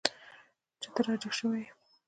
چې ته را جګ شوی یې.